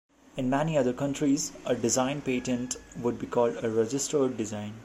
In many other countries, a Design Patent would be called a "registered design".